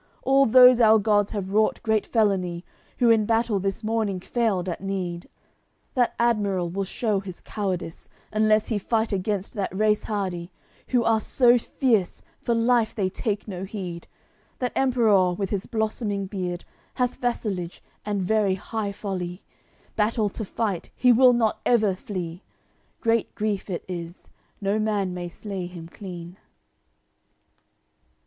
All those our gods have wrought great felony, Who in battle this morning failed at need. That admiral will shew his cowardice, Unless he fight against that race hardy, Who are so fierce, for life they take no heed. That Emperour, with his blossoming beard, Hath vassalage, and very high folly; Battle to fight, he will not ever flee. Great grief it is, no man may slay him clean."